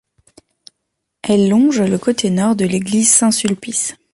Elle longe le côté nord de l'église Saint-Sulpice.